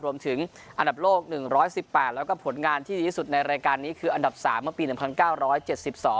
รวมถึงอันดับโลก๑๑๘แล้วก็ผลงานที่ดีที่สุดในรายการนี้คืออันดับ๓เมื่อปี๑๙๗๒